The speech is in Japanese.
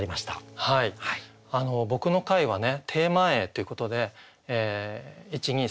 僕の回はねテーマ詠ということで１２３と違ってね